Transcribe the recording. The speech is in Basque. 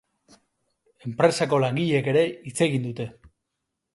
Enpresako langileek ere hitz egin dute.